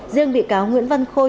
riêng bị cáo nguyễn văn khôi